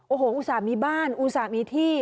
โอ้โหอุตส่าห์มีบ้านอุตส่าห์มีที่